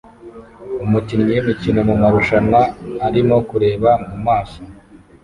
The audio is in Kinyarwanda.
Umukinyi w'imikino mu marushanwa arimo kureba mu maso